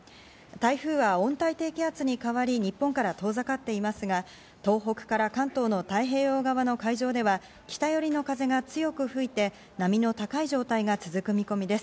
台風は温帯低気圧に変わり、日本から遠ざかっていますが、東北から関東の太平洋側の海上では北よりの風が強く吹いて、波の高い状態が続く見込みです。